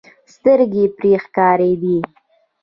سترګې پرې ښکارېدې.